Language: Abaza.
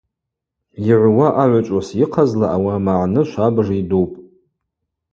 Йгӏвуа агӏвычӏвгӏвыс йыхъазла ауи амагӏны швабыж йдупӏ.